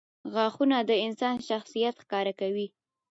• غاښونه د انسان شخصیت ښکاره کوي.